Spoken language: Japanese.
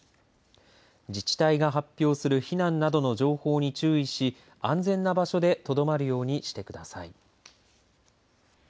自治体が発表する避難などの情報に注意し安全な場所でとどまるようにしてください。